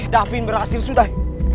davin berhasil sudah